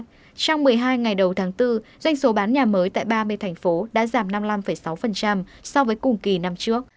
trong một mươi hai ngày đầu tháng bốn doanh số bán nhà mới tại ba mươi thành phố đã giảm năm mươi năm sáu so với cùng kỳ năm trước